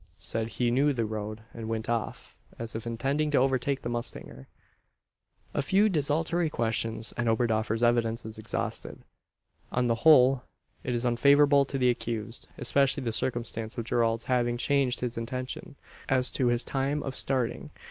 Said he knew the road, and went off, as if intending to overtake the mustanger. A few desultory questions, and Oberdoffer's evidence is exhausted. On the whole it is unfavourable to the accused; especially the circumstance of Gerald's having changed his intention as to his time of starting.